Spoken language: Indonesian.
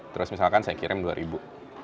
terus misalkan saya kirim dua ribu